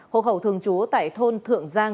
hộ khẩu thường chú tại thôn thượng giang